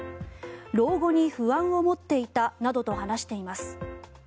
老後に不安を持っていたなどと話しています。